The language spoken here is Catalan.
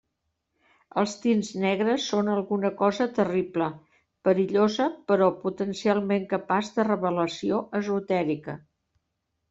Els tints negres són alguna cosa terrible, perillosa però potencialment capaç de revelació esotèrica.